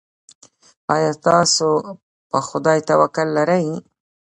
ایا تاسو په خدای توکل لرئ؟